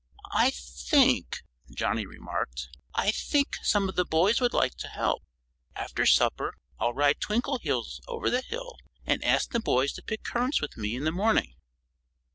"I think " Johnnie remarked "I think some of the boys would like to help. After supper I'll ride Twinkleheels over the hill and ask the boys to pick currants with me in the morning."